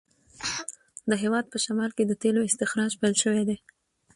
د هیواد په شمال کې د تېلو استخراج پیل شوی دی.